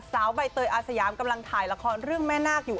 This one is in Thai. ใบเตยอาสยามกำลังถ่ายละครเรื่องแม่นาคอยู่